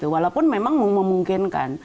walaupun memang memungkinkan